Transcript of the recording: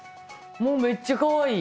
もうめっちゃかわいい。